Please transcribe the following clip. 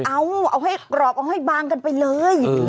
เอาเอาให้กรอบเอาให้บางกันไปเลย